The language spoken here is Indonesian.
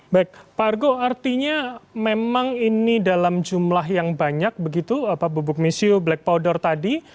baik pak argo artinya memang ini dalam jumlah yang banyak begitu bubuk misiu black powder tadi